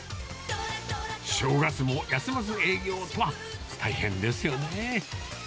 正月も休まず営業とは、大変ですよね。